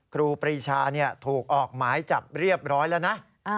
ครูปรีชาถูกออกหมายจับเรียบร้อยแล้วนะ